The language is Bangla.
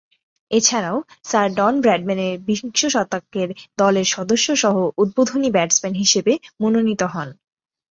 এছাড়াও স্যার ডন ব্র্যাডম্যানের বিংশ শতকের দলের সদস্যসহ উদ্বোধনী ব্যাটসম্যান হিসেবে মনোনীত হন।